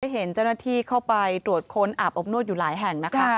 เห็นเจ้าหน้าที่เข้าไปตรวจค้นอาบอบนวดอยู่หลายแห่งนะคะ